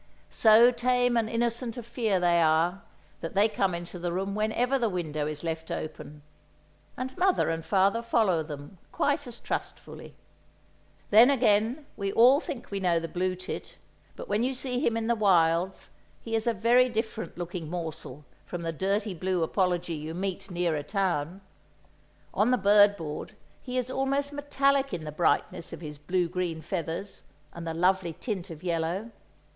So tame and innocent of fear they are, that they come into the room whenever the window is left open; and mother and father follow them, quite as trustfully. Then again, we all think we know the blue tit; but when you see him in the wilds he is a very different looking morsel from the dirty blue apology you meet nearer town. On the bird board, he is almost metallic in the brightness of his blue green feathers, and the lovely tint of yellow.